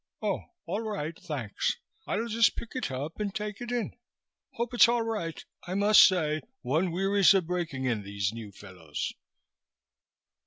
Oh, all right, thanks; I'll just pick it up and take it in. Hope it's all right. I must say one wearies of breaking in these new fellows."